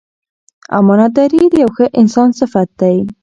امانتداري د یو ښه انسان صفت دی.